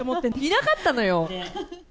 いなかったのよ。